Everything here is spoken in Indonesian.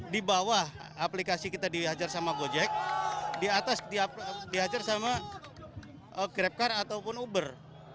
di bawah aplikasi kita dihajar sama gojek di atas diajar sama grabcar ataupun uber